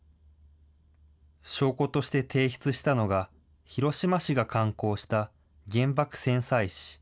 証拠として提出したのが、広島市が刊行した原爆戦災誌。